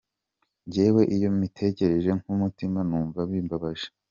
Njyewe iyo mbitekereje ku mutima numva bimbabaje”.